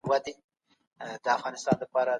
پر خپل قابلیت باور وکړي